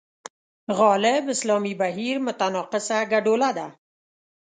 غالب اسلامي بهیر متناقضه ګډوله ده.